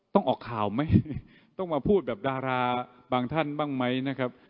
ต้องออกข่าวไหมต้องมาพูดแบบดาราบางท่านบ้างไหมนะครับ